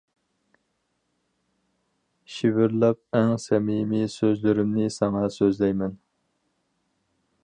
شىۋىرلاپ ئەڭ سەمىمىي سۆزلىرىمنى ساڭا سۆزلەيمەن.